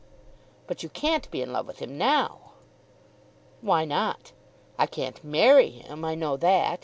"But you can't be in love with him now." "Why not? I can't marry him. I know that.